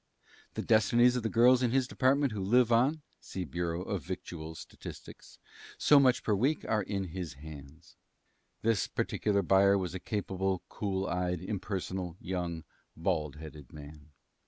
The destinies of the girls in his department who live on (see Bureau of Victual Statistics) so much per week are in his hands. This particular buyer was a capable, cool eyed, impersonal, young, bald headed man.